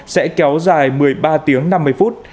sẽ kéo dài một mươi ba tiếng năm mươi phút